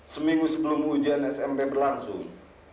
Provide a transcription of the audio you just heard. seminggu sebelum ujian smp berlangsung